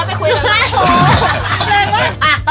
กัดแล้วไปคุยกันก่อน